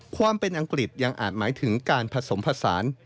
ความเป็นอังกฤษยังอาจหมายถึงการผสมผสาน